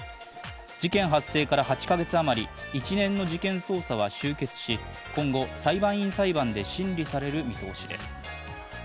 事件発生から８か月余り一連の事件捜査は終結し今後、裁判員裁判で審理される見通しです。